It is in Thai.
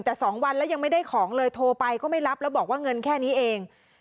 แต่๒วันแล้วยังไม่ได้ของเลยโทรไปก็ไม่รับแล้วบอกว่าเงินแค่นี้เอง